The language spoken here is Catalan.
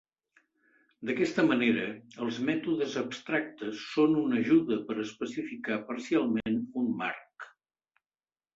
D'aquesta manera, els mètodes abstractes són una ajuda per especificar parcialment un marc.